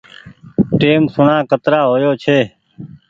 ٽيم سوڻا ڪترا هويو ڇي